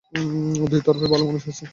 দুই তরফেই ভালো মানুষ আছে।